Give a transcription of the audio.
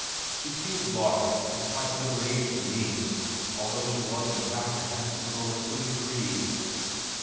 She seemed large and quite middle aged to me, although she was in fact a handsome girl of twenty three.